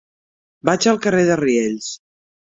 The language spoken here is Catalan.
Vaig al carrer de Riells.